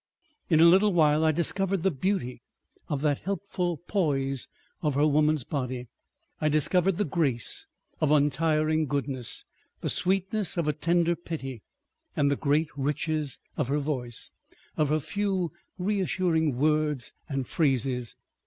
In a little while I discovered the beauty of that helpful poise of her woman's body, I discovered the grace of untiring goodness, the sweetness of a tender pity, and the great riches of her voice, of her few reassuring words and phrases.